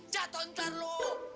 jatuh ntar lo